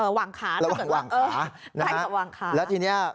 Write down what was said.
หวั่งขาถ้าเกิดว่าเออไปกับหวั่งขานะฮะแล้วทีนี้